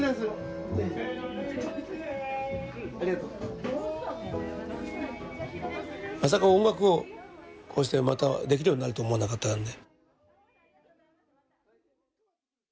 まさか「音楽」をこうしてまたできるようになると思わなかったので。